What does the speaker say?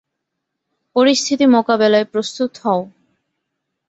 পরিস্থিতি মোকাবেলায় প্রস্তুত হও!